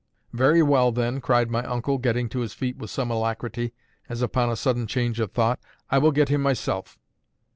"Very well, then," cried my uncle, getting to his feet with some alacrity, as upon a sudden change of thought, "I will get him myself."